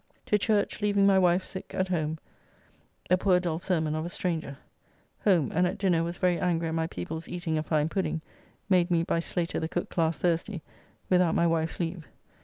To church, leaving my wife sick.... at home, a poor dull sermon of a stranger. Home, and at dinner was very angry at my people's eating a fine pudding (made me by Slater, the cook, last Thursday) without my wife's leave.